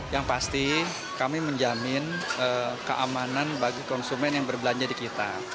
yang pasti kami menjamin keamanan bagi konsumen yang berbelanja di kita